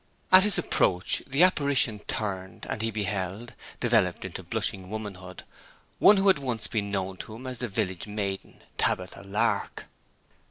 At his approach the apparition turned, and he beheld, developed into blushing womanhood, one who had once been known to him as the village maiden Tabitha Lark.